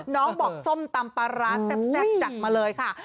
น้องบอกส้มตำปลาร้าแซ่บจัดมาเลยค่ะ